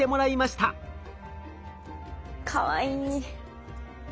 かわいい。